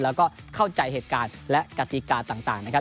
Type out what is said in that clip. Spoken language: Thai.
แล้วก็เข้าใจเหตุการณ์และกติกาต่างนะครับ